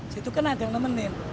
situ kan ada yang nemenin